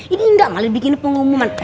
ini nggak malah bikinnya pengumuman